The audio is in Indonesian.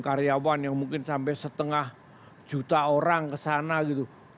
karyawan yang mungkin sampai setengah juta orang kesana gitu